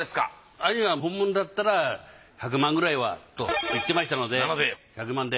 兄は本物だったら１００万くらいはと言ってましたので１００万で。